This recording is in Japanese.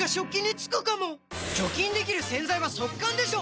除菌できる洗剤は速乾でしょ！